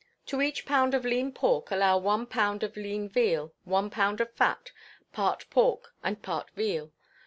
To each pound of lean pork allow one pound of lean veal, one pound of fat, part pork and part veal.